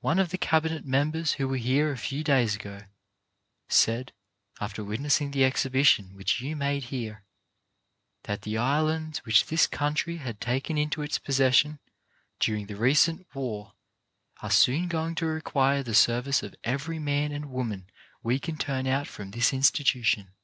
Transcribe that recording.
One of the Cabinet members who were here a few days ago said, after witnessing the exhibition which you made here, that the islands which this country had taken into its possession during the recent war are soon going to require the service of every man and woman we can turn out from this institution.